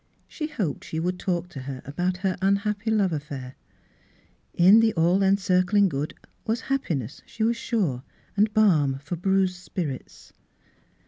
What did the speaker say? She hoped she would talk to her about her unhappy love affair. In the All encircling Good was happiness, she was sure, and balm for bruised spir its.